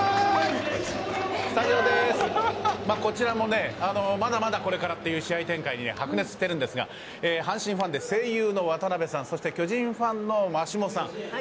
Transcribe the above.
こちらもね、まだまだこれからという試合展開に白熱してるんですが、阪神ファンで声優の渡部さん、そして巨人ファンの真下さん。